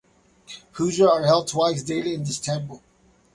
Puja are held twice daily in this temple.